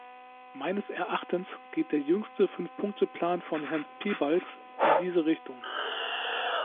Meines Erachtens geht der jüngste Fünfpunkteplan von Herrn Piebalgs in diese Richtung.